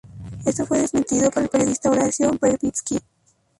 Eso fue desmentido por el periodista Horacio Verbitsky.